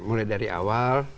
mulai dari awal